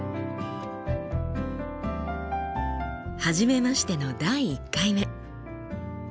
初めましての第１回目。